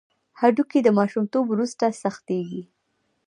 هډوکي د ماشومتوب وروسته سختېږي.